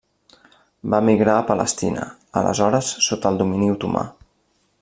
Va emigrar a Palestina, aleshores sota el domini otomà.